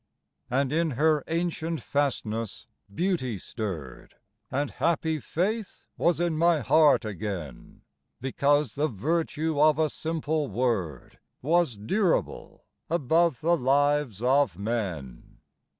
And in her ancient fastness beauty stirred, And happy faith was in my heart again, Because the virtue of a simple word Was durable above the lives of men.